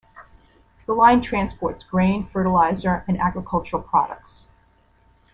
The line transports grain, fertilizer and agricultural products.